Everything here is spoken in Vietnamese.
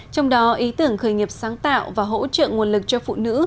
trong đó ý tưởng khởi nghiệp sáng tạo và hỗ trợ nguồn lực cho phụ nữ